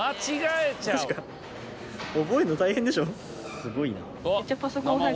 すごいね。